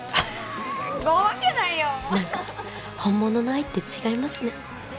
ごまけないよ何か本物の愛って違いますね